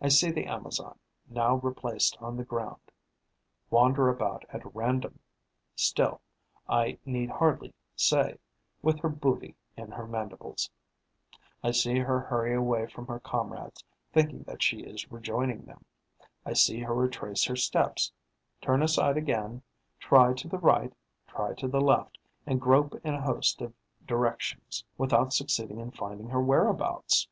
I see the Amazon, now replaced on the ground, wander about at random, still, I need hardly say, with her booty in her mandibles; I see her hurry away from her comrades, thinking that she is rejoining them; I see her retrace her steps, turn aside again, try to the right, try to the left and grope in a host of directions, without succeeding in finding her whereabouts.